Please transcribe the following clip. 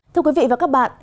thưa quý vị và các bạn